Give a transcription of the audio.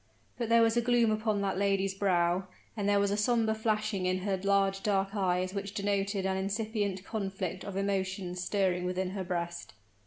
But there was a gloom upon that lady's brow, and there was a somber flashing in her large dark eyes which denoted an incipient conflict of emotions stirring within her breast.